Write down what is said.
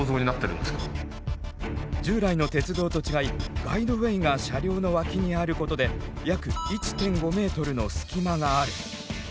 従来の鉄道と違いガイドウェイが車両の脇にあることで約１．５ｍの隙間がある。